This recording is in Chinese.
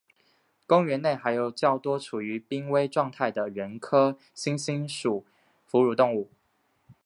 公园内还有较多处于濒危状态的人科猩猩属哺乳动物。